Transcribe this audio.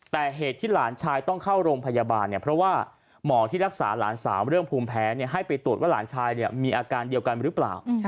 แต่เหตุที่หลานชายต้องเข้าโรงพยาบาลเนี่ยเพราะว่าหมอที่รักษาหลานสาวเรื่องภูมิแพ้ให้ไปตรวจว่าหลานชายมีอาการเดียวกันหรือเปล่า